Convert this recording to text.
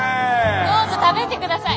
どうぞ食べてください。